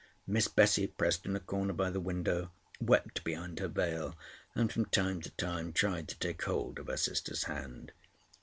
Miss Bessie, pressed in a corner by the window, wept behind her veil, and from time to time tried to take hold of her sister's hand.